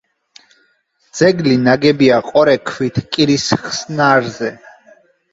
ძეგლი ნაგებია ყორექვით კირის ხსნარზე.